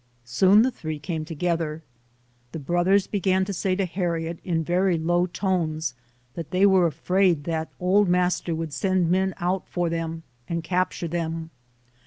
Soon the three came together. The brothers be gan to say to Harriet in very low tones that they were afraid that old master would send men out for them and capture them.